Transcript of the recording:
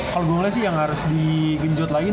kalau gue ngeliat sih yang harus digenjot lagi